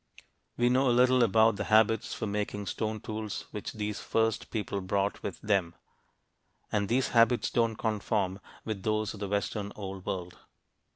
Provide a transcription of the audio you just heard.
We know a little about the habits for making stone tools which these first people brought with them, and these habits don't conform with those of the western Old World.